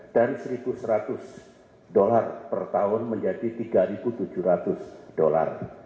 dari satu seratus dolar per tahun menjadi tiga tujuh ratus dolar